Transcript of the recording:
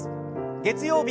月曜日